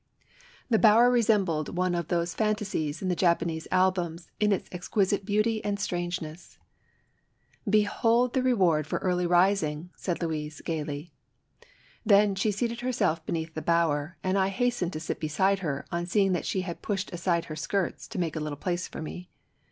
The bower resembled one of those fantasies in the Japanese albums in its exquisite beauty and strange ness. "Behold the reward for early rising I" said Louise, gayly. Then, she seated herself beneath the bower, and I hastened to sit beside her on seeing that she had pushed aside her skirts to make a little place for me.